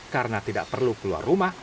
karena tidak perlu keluar rumah